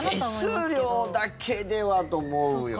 手数料だけではと思うよね。